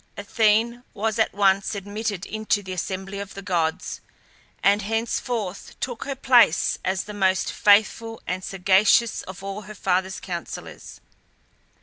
Athene was at once admitted into the assembly of the gods, and henceforth took her place as the most faithful and sagacious of all her father's counsellors.